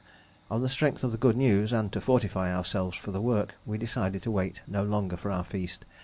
On the strength of the good news and to fortify ourselves for the work, we decided to wait no longer for our feast.